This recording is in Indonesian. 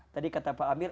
tadi kata pak amir